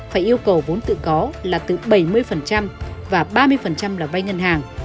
phải yêu cầu vốn tự có là từ bảy mươi và ba mươi là vay ngân hàng